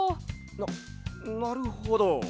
ななるほど。